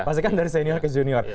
pastikan dari senior ke junior